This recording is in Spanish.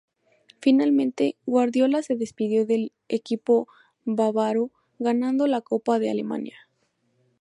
Finalmente, Guardiola se despidió del equipo bávaro ganando la Copa de Alemania.